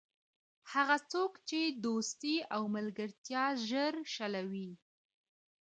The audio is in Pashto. هغه څوک چې دوستي او ملګرتیا ژر شلوي.